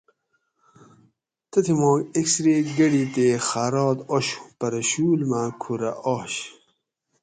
تیماک ایکسرے گڑی تے خارات آشو پرہ شول ماں کھورہ آش